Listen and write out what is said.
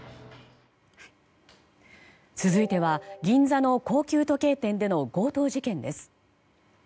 続いては銀座の高級時計店での強盗事件です。